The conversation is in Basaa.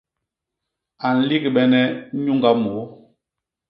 A nligbene nyuñga môô.